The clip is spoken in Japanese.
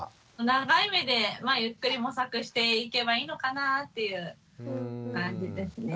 長い目でゆっくり模索していけばいいのかなという感じですね。